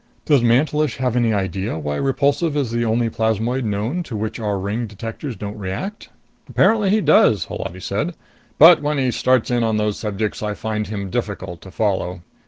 "Does Mantelish have any idea why Repulsive is the only plasmoid known to which our ring detectors don't react?" "Apparently he does," Holati said. "But when he starts in on those subjects, I find him difficult to follow."